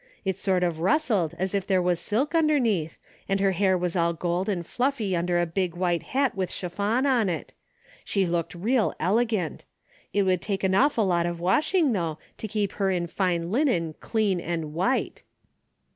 It sort of rustled as if there w^as silk underneath, and her hair was all gold and fluffy under a big white hat with chiffon on it. She looked real elegant. It would take an awful lot of washing though, to keep her in fine linen ' clean and white.